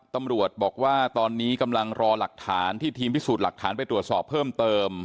ตำรวจบอกว่าตอนนี้กำลังรอหลักฐานที่ทีมพิสูจน์หลักฐานไปตรวจสอบเพิ่มเติม